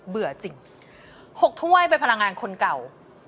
เบื่อจริง๖ถ้วยเป็นพลังงานคนเก่า